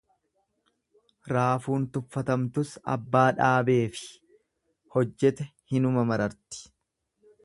Raafuun tuffatamtus abbaa dhaabeefi hojjete hinuma mararti.